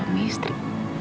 jadi suami istri